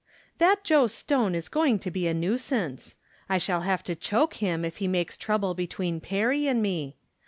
J That Joe Stone is going to be a nuisance. I shall have to choke him if he makes trouble be tween Perry and me.